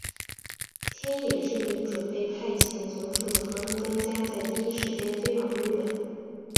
天野之弥准备派遣总署的核能专家在第一时间飞往日本。